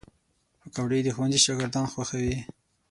پکورې د ښوونځي شاګردان خوښوي